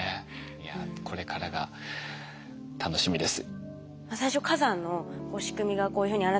いやこれからが楽しみです。